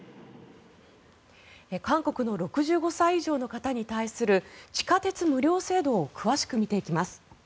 韓国の６５歳以上の方に対する地下鉄無料制度を詳しく見ていきます。